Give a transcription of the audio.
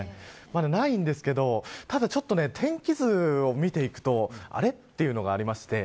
ないんですけどただちょっと天気図を見ていくとあれというのがありまして。